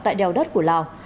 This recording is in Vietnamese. tại đèo đất của lào